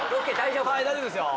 はい大丈夫ですよ。